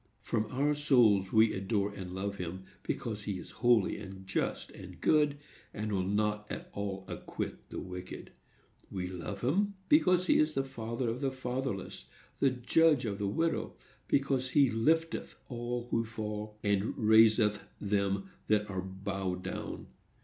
From our souls we adore and love him, because he is holy and just and good, and will not at all acquit the wicked. We love him because he is the father of the fatherless, the judge of the widow;—because he lifteth all who fall, and raiseth them that are bowed down.